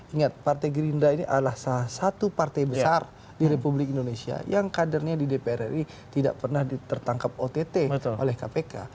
ingat partai gerindra ini adalah salah satu partai besar di republik indonesia yang kadernya di dpr ri tidak pernah tertangkap ott oleh kpk